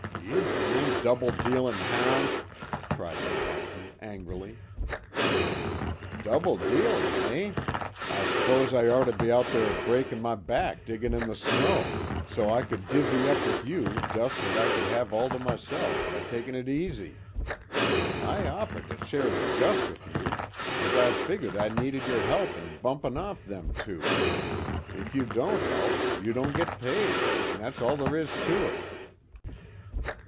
"Ye damn double dealin' houn'!" cried the Captain, angrily. "Double dealin', eh? I s'pose I'd ort to be out there breakin' my back diggin' in the snow, so I could divvy up with you dust that I could have all to myself, by takin' it easy. I offered to share the dust with you, cause I figgered I needed yer help in bumpin' off them two. If you don't help, you don't git paid, an' that's all there is to it."